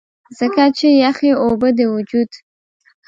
ځکه چې يخې اوبۀ د وجود